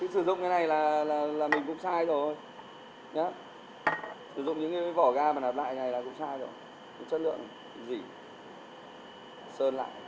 sử dụng cái này là mình cũng sai rồi sử dụng những vỏ ga mà nạp lại này là cũng sao rồi chất lượng dỉ sơn lại